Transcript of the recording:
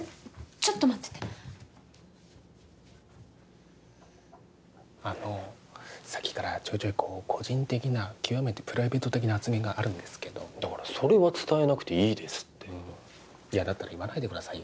ちょっと待っててあのさっきからちょいちょいこう個人的な極めてプライベート的な発言があるんですけどだからそれは伝えなくていいですってだったら言わないでくださいよ